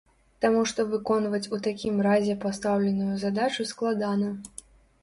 Таму што выконваць у такім разе пастаўленую задачу складана.